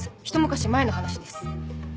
ひと昔前の話です。